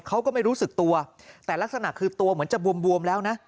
เขาก็ไม่รู้สึกตัวแต่ลักษณะคือตัวเหมือนจะบวมแล้วนะ